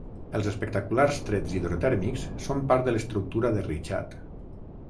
Els espectaculars trets hidrotèrmics són part de l'Estructura de Richat.